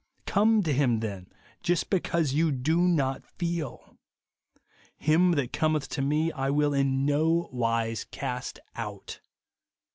Come to him, then, just he cause you do not feel. " Him that cometh to me I will in no wise cast out."